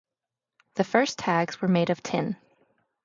The first tags were made of tin.